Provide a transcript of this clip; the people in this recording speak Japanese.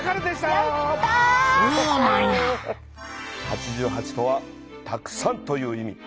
「八十八」とはたくさんという意味。